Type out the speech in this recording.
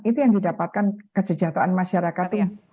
itu yang didapatkan kesejahteraan masyarakatnya